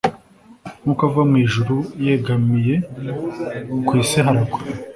nkuko ava mwijuru yegamiye, kwisi haragwa